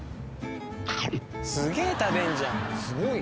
すげえ食べんじゃん。